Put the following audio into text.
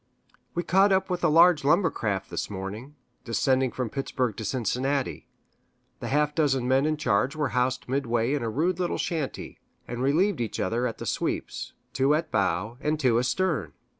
We caught up with a large lumber raft this morning, descending from Pittsburg to Cincinnati. The half dozen men in charge were housed midway in a rude little shanty, and relieved each other at the sweeps two at bow, and two astern.